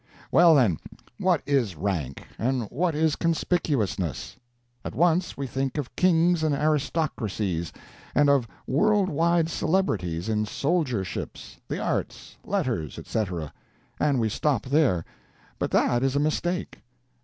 Well, then, what is rank, and what is conspicuousness? At once we think of kings and aristocracies, and of world wide celebrities in soldierships, the arts, letters, etc., and we stop there. But that is a mistake.